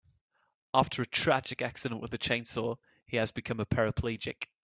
After a tragic accident with a chainsaw he has become a paraplegic.